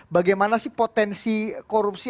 bagaimana sih potensi korupsi